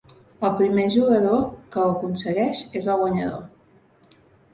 El primer jugador que ho aconsegueix és el guanyador.